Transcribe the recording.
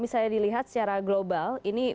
bisa dilihat secara global ini